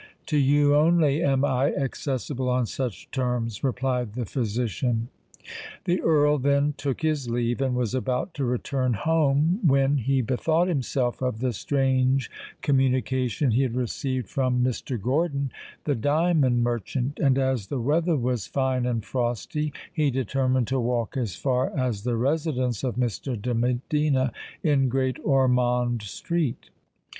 "To you only am I accessible on such terms," replied the physician. The Earl then took his leave, and was about to return home, when he bethought himself of the strange communication he had received from Mr. Gordon, the diamond merchant; and, as the weather was fine and frosty, he determined to walk as far as the residence of Mr. de Medina in Great Ormond Street.